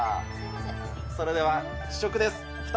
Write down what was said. それでは、試食です。